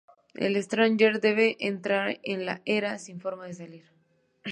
El Stranger debe entrar a la Era sin forma de salir.